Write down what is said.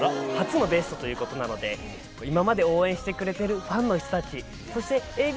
初のベストということなので今まで応援してくれてるファンの人たちそしてＡ．Ｂ．Ｃ−Ｚ